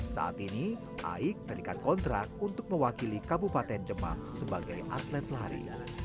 saat ini aik memberikan kontrak untuk mewakili kabupaten demak sebagai atlet lari